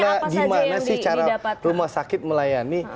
bagaimana sih cara rumah sakit melayani